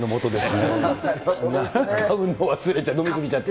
万馬券買うの忘れちゃって、飲み過ぎちゃって。